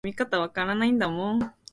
Cirino was the one constant of every show.